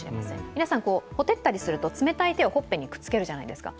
皆さん、ほてったりすると、冷たい手をほっぺにくっつけるじゃないですか。